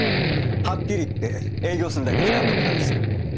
はっきり言って営業するだけ時間の無駄です。